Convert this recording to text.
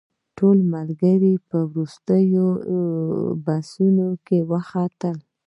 ټول ملګري په دوو بسونو کې وختل.